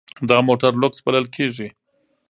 دا موټر لوکس بلل کیږي.